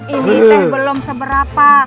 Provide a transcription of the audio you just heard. ini teh belum seberapa